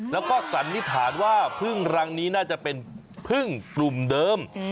แล้วก็สันนิษฐานว่าพึ่งรังนี้น่าจะเป็นพึ่งกลุ่มเดิม